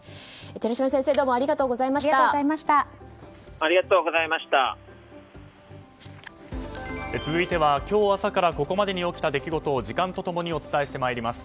寺嶋先生続いては今日朝からここまでに起きた出来事を時間と共にお伝えしてまいります。